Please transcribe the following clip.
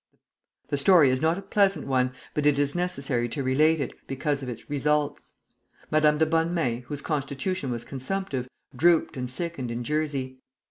The story is not a pleasant one, but it is necessary to relate it, because of its results. Madame de Bonnemains, whose constitution was consumptive, drooped and sickened in Jersey.